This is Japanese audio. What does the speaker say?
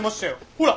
ほら。